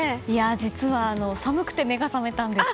実は、寒くて目が覚めたんです。